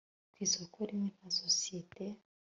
ku isoko rimwe nta sosiyete